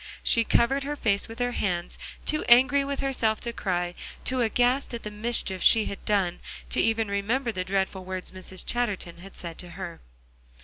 She covered her face with her hands, too angry with herself to cry; too aghast at the mischief she had done, to even remember the dreadful words Mrs. Chatterton had said to her.